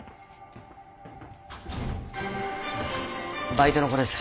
バイトの子です。